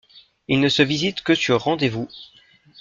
Il ne se visite que sur rendez-vous.